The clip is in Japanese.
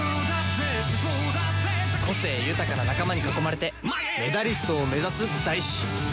個性豊かな仲間に囲まれてメダリストを目指す大志。